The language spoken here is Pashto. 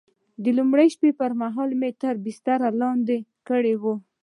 د لومړۍ شپې پر مهال مې تر بستر لاندې کړې وه.